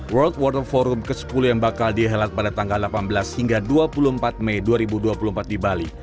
world water forum ke sepuluh yang bakal dihelat pada tanggal delapan belas hingga dua puluh empat mei dua ribu dua puluh empat di bali